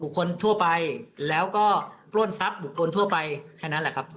คนทั่วไปแล้วก็ปล้นทรัพย์บุคคลทั่วไปแค่นั้นแหละครับ